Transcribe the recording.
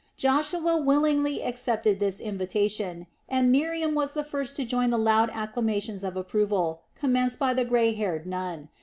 Joshua willingly accepted this invitation, and Miriam was the first to join in the loud acclamations of approval commenced by the grey haired Nun.